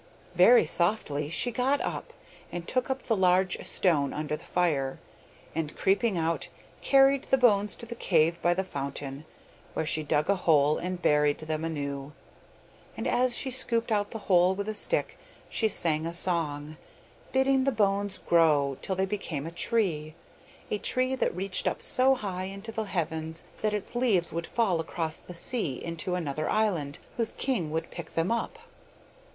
Very softly she got up, and took up the large stone under the fire, and creeping out carried the bones to the cave by the fountain, where she dug a hole and buried them anew. And as she scooped out the hole with a stick she sang a song, bidding the bones grow till they became a tree a tree that reached up so high into the heavens that its leaves would fall across the sea into another island, whose king would pick them up.